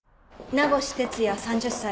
名越哲弥３０歳。